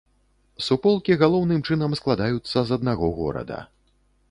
Суполкі галоўным чынам складаюцца з аднаго горада.